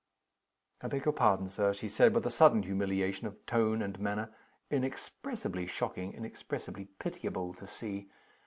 "I beg your pardon, Sir," she said, with a sudden humiliation of tone and manner, inexpressibly shocking, inexpressibly pitiable to see.